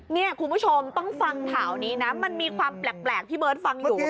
นี่คุณผู้ชมต้องฟังข่าวนี้นะมันมีความแปลกพี่เบิร์ตฟังอยู่